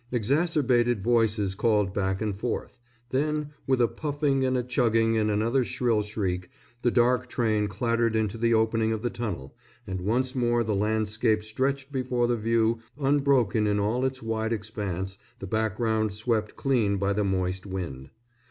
Exacerbated voices called back and forth; then, with a puffing and a chugging and another shrill shriek, the dark train clattered into the opening of the tunnel, and once more the landscape stretched before the view unbroken in all its wide expanse, the background swept clean by the moist wind.